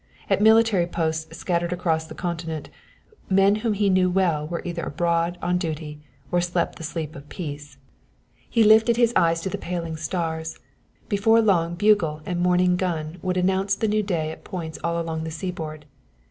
At military posts scattered across the continent men whom he knew well were either abroad on duty, or slept the sleep of peace. He lifted his eyes to the paling stars. Before long bugle and morning gun would announce the new day at points all along the seaboard.